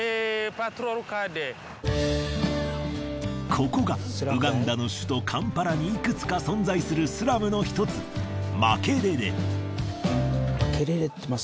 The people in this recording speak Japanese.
ここがウガンダの首都カンパラにいくつか存在するスラムの１つマケレレ。